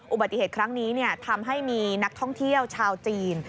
อุบัติเหตุครั้งนี้ทำให้มีนักท่องเที่ยวชาวจีน